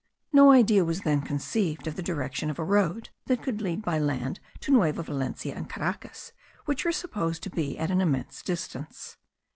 No idea was then conceived of the direction of a road that could lead by land to Nueva Valencia and Caracas, which were supposed to be at an immense distance.